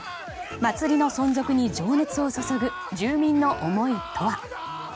祭りの存続に情熱を注ぐ住民の思いとは。